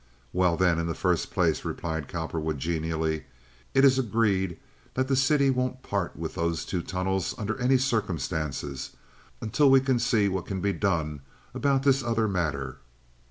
"Well, then, in the first place," replied Cowperwood, genially, "it is agreed that the city won't part with those two tunnels under any circumstances until we can see what can be done about this other matter?"